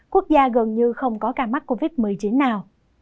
quốc gia gần như không có ca mắc covid một mươi chín nào